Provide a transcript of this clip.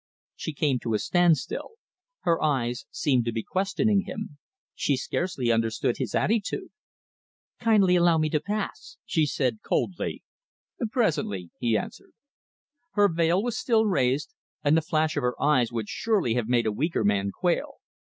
She came to a standstill. Her eyes seemed to be questioning him. She scarcely understood his attitude. "Kindly allow me to pass!" she said coldly. "Presently!" he answered. Her veil was still raised, and the flash of her eyes would surely have made a weaker man quail.